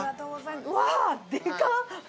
うわー、でかっ。